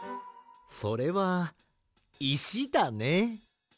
それはいしだね。